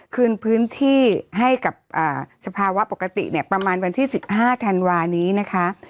คืนพื้นที่ให้กับสภาวะปกติเนี่ยประมาณวันที่๑๕ธันวานี้นะคะ